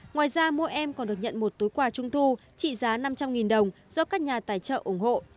ngoài ra mỗi em còn được nhận một túi quà trung thu trị giá năm trăm linh đồng do các nhà tài trợ ủng hộ